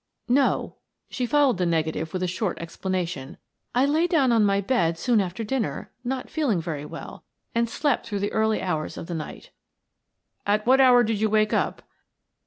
"No." She followed the negative with a short explanation. "I lay down on my bed soon after dinner, not feeling very well, and slept through the early hours of the night." "At what hour did you wake up?"